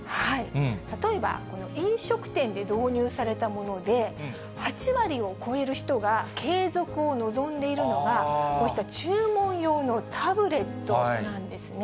例えば、この飲食店で導入されたもので、８割を超える人が継続を望んでいるのが、こうした注文用のタブレットなんですね。